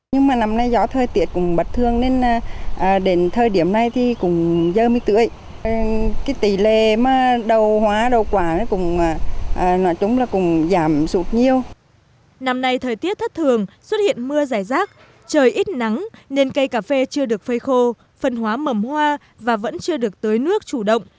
năm nay gió thời tiết thất thường xuất hiện mưa rải rác trời ít nắng nên cây cà phê chưa được phơi khô phân hóa mầm hoa và vẫn chưa được tưới nước chủ động